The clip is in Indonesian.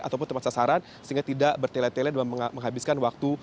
ataupun tepat sasaran sehingga tidak bertele tele dan menghabiskan waktu